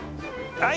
はい。